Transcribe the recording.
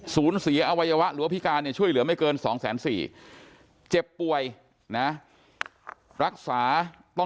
ศูนย์เสียอวัยวะหรือวพิการช่วยเหลือไม่เกิน๒๔๐๐๐๐บาท